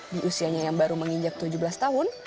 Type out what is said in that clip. di usianya yang baru menginjak tujuh belas tahun